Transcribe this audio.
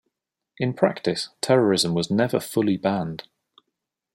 In practice, terrorism was never fully banned.